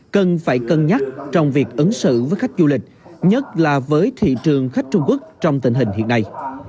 cần phải cân nhắc trong việc ứng xử với khách du lịch nhất là với thị trường khách trung quốc trong tình hình hiện nay